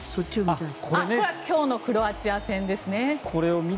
これは今日のクロアチア戦ですね。